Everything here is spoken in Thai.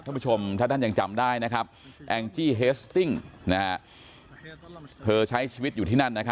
ท่านผู้ชมถ้าท่านยังจำได้แองจี้เฮสติ้งเธอใช้ชีวิตอยู่ที่นั่น